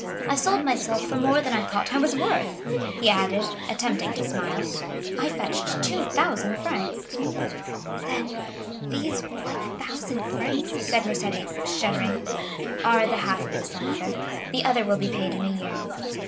I sold myself for more than I thought I was worth," he added, attempting to smile; "I fetched 2,000 francs." "Then these 1,000 francs——" said Mercédès, shuddering. "Are the half of the sum, mother; the other will be paid in a year."